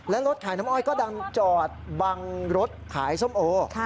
และรถขายน้ำอ้อยก็ดังจอดบังรถขายส้มโอ